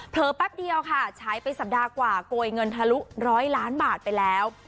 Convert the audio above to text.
แป๊บเดียวค่ะใช้ไปสัปดาห์กว่าโกยเงินทะลุร้อยล้านบาทไปแล้ว